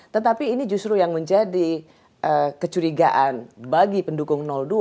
tetapi ini justru yang menjadi kecurigaan bagi pendukung dua